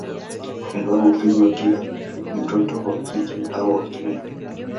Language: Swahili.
Ambayo hupigiwa kila mtoto wa kike au wa kiume